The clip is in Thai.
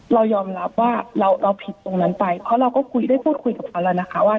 เรายอมรับว่าเราผิดตรงนั้นไปเพราะเราก็คุยได้พูดคุยกับเขาแล้วนะคะว่า